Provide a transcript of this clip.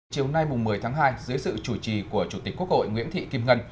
chiều nay một mươi tháng hai dưới sự chủ trì của chủ tịch quốc hội nguyễn thị kim ngân